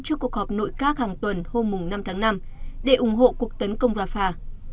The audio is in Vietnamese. cho cuộc họp nội các hàng tuần hôm năm tháng năm để ủng hộ cuộc tấn công rafah